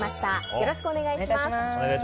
よろしくお願いします。